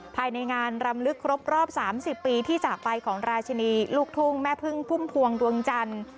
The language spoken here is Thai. ภายในงานรำลึกครบรอบ๓๐ปีที่จากไปของราชินีลูกทุ่งแม่พึ่งพุ่มพวงดวงจันทร์